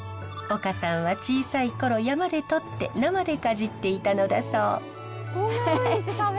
丘さんは小さい頃山でとって生でかじっていたのだそう。